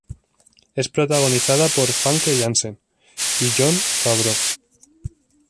Es protagonizada por Famke Janssen y Jon Favreau.